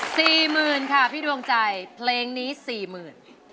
สี่หมื่นค่ะพี่ดวงใจเพลงนี้สี่หมื่น